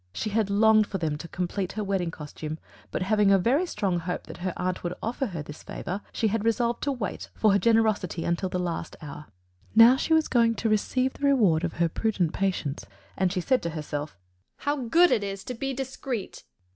She had longed for them to complete her wedding costume, but having a very strong hope that her aunt would offer her this favour, she had resolved to wait for her generosity until the last hour. Now she was going; to receive the reward of her prudent patience, and she said to herself, "How good it is to be discreet!"